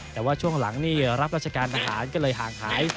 แต่ว่าช่วงหลังนี่รับราชการทหารก็เลยห่างหาย